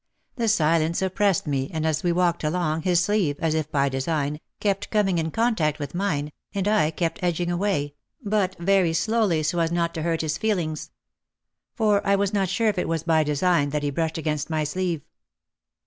The silence oppressed me and as we walked along, his sleeve, as if by design, kept coming in contact with mine, and I kept edging away, but very slowly so as not to hurt his feelings. For I was not sure it was by design that he brushed against my sleeve.